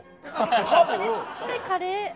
これカレー。